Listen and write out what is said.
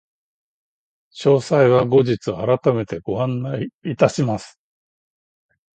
詳細は後日改めてご案内いたします。